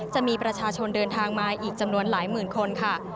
จะมีประชาชนเดินทางมาอีกจำนวนหลายหมื่นคนค่ะ